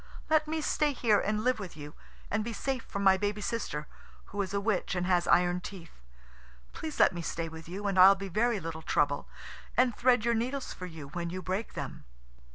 Let me stay here and live with you, and be safe from my baby sister, who is a witch and has iron teeth. Please let me stay with you, and I'll be very little trouble, and thread your needles for you when you break them."